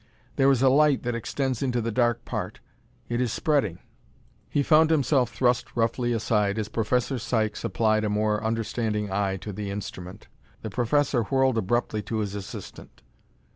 "There is a light that extends into the dark part. It is spreading "He found himself thrust roughly aside as Professor Sykes applied a more understanding eye to the instrument. The professor whirled abruptly to his assistant.